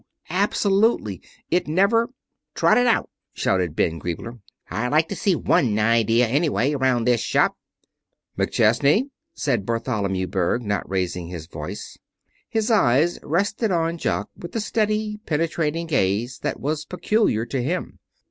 Absolutely. It never " "Trot it out!" shouted Ben Griebler. "I'd like to see one idea anyway, around this shop." "McChesney," said Bartholomew Berg, not raising his voice. His eyes rested on Jock with the steady, penetrating gaze that was peculiar to him.